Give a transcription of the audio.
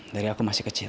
dari aku masih kecil